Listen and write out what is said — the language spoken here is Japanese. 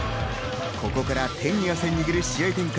ここから手に汗握る試合展開